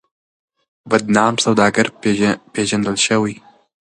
بدنام سوداگر پېژندل شوی.